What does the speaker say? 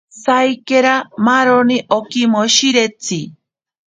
Saikachei maaroni akimoshiretsi.